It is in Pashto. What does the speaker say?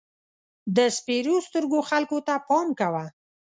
د سپېرو سترګو خلکو ته پام کوه.